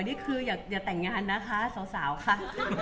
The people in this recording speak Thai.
นี่คืออย่าแต่งงานนะคะสาวค่ะ